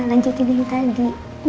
lanjutin yang tadi